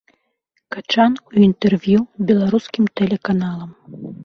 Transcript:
Качан у інтэрв'ю беларускім тэлеканалам.